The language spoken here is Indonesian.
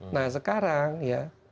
nah sekarang ya